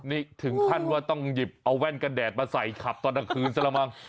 นี่ถึงขั้นว่าต้องหยิบเอาแว่นกระแดดมาใส่ขับตอนกลางคืนซะละมั้ง